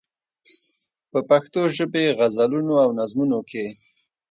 په پښتو ژبې غزلونو او نظمونو کې.